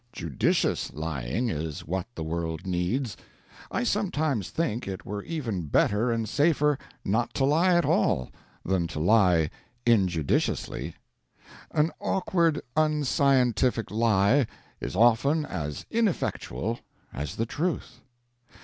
Judicious lying is what the world needs. I sometimes think it were even better and safer not to lie at all than to lie injudiciously. An awkward, unscientific lie is often as ineffectual as the truth.